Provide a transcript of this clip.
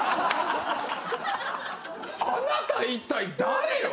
あなた一体誰よ？